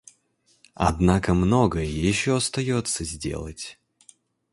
Однако многое еще остается сделать.